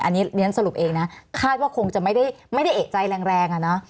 อันนี้เรียนสรุปเองนะคาดว่าคงจะไม่ได้เอกใจแรงอ่ะเนอะ